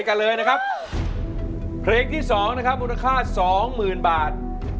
และเพลงที่สองนะครับมูลค่าสองหมื่นบาท